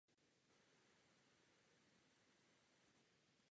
Její grafika a malby byly zastoupeny na mnoha výstavách v zahraničí.